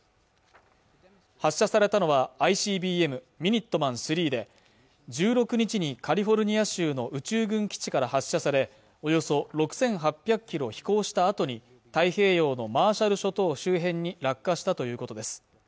発射されたのはＩＣＢＭミニットマン３で１６日にカリフォルニア州の宇宙軍基地から発射されおよそ６８００キロ飛行したあとに太平洋のマーシャル諸島周辺に落下したということです